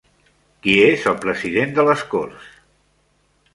Qui és el president de les Corts?